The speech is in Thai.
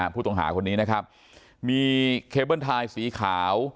ผู้ต้องหาคนนี้นะครับมีเคเบิ้ลไทยสีขาว